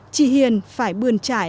chị hiền phải bươn trải